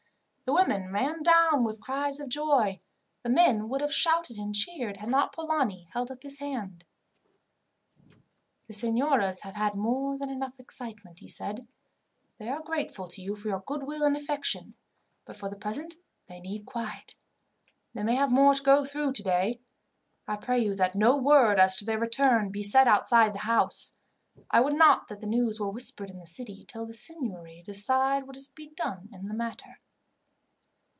The women ran down with cries of joy. The men would have shouted and cheered, had not Polani held up his hand. "The signoras have had more than enough excitement," he said. "They are grateful to you for your goodwill and affection, but for the present they need quiet. They may have more to go through today. I pray you that no word, as to their return, be said outside the house. I would not that the news were whispered in the city, till the seignory decide what is to be done in the matter."